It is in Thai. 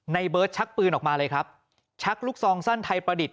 เบิร์ตชักปืนออกมาเลยครับชักลูกซองสั้นไทยประดิษฐ